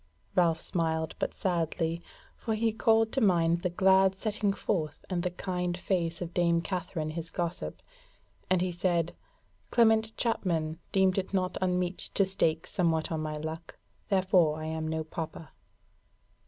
Ralph smiled, but sadly, for he called to mind the glad setting forth and the kind face of dame Katherine his gossip, and he said: "Clement Chapman deemed it not unmeet to stake somewhat on my luck, therefore I am no pauper."